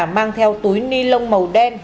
mang theo túi ni lông màu đen